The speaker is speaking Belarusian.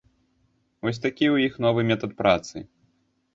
Вось такі ў іх новы метад працы.